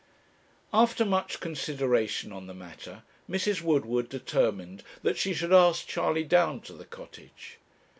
After much consideration on the matter, Mrs. Woodward determined that she should ask Charley down to the Cottage.